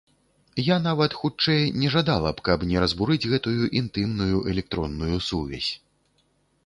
Я нават, хутчэй, не жадала б, каб не разбурыць гэтую інтымную электронную сувязь.